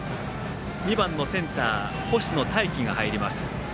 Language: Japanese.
２番のセンター、星野泰輝が入ります。